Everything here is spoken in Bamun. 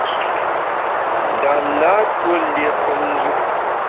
Ndam na ntuó lié femnjù.